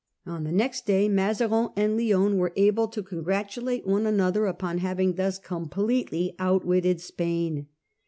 On the next day Mazarin and Lionne were able to congratulate one another upon having thus completely outwitted Spain.